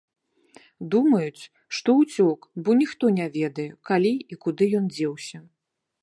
Думаюць, што ўцёк, бо ніхто не ведае, калі і куды ён дзеўся.